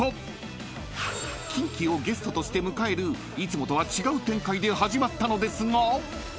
［キンキをゲストとして迎えるいつもとは違う展開で始まったのですが］